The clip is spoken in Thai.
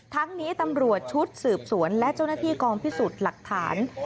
ทั้งนี้ตำรวจชุดสืบสวนและเจ้าหน้าที่กองพิสูจน์หลักฐาน